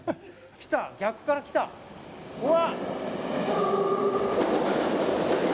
来た逆から来たうわ！